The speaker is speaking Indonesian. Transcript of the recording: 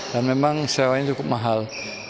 dan memang sewanya cukup mahal